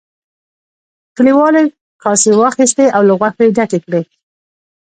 کليوالو کاسې واخیستې او له غوښو یې ډکې کړې.